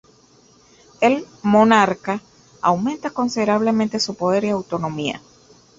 El monarca aumenta considerablemente su poder y autonomía.